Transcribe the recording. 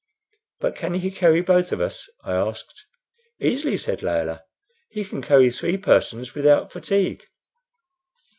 "But can he carry both of us?" I asked. "Easily," said Layelah. "He can carry three persons without fatigue."